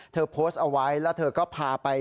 เธอโพสต์เอาไว้แล้วเธอก็พาไป